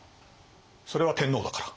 それは天皇だから。